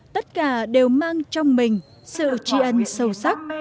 tất cả đều mang trong mình sự tri ân sâu sắc